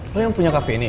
lo yang punya cafe ini ya